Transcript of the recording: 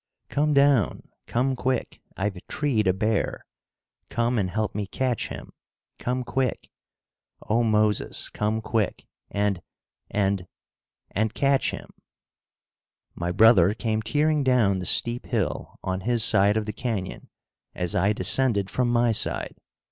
"Come down! Come quick! I've treed a bear! Come and help me catch him; come quick! Oh, Moses! come quick, and and and catch him!" My brother came tearing down the steep hill on his side of the canyon as I descended from my side.